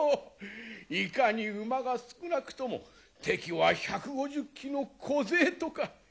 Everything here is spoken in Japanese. いかに馬が少なくとも敵は１５０騎の小勢とか。